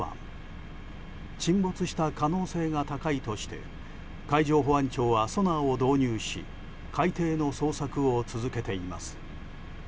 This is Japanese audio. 沈没した可能性が高いとして海上保安庁はソナーを導入し海底の捜索を続けています。